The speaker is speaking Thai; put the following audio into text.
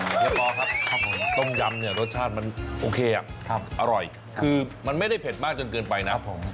เฮียปอครับผมต้มยำเนี่ยรสชาติมันโอเคอร่อยคือมันไม่ได้เผ็ดมากจนเกินไปนะผม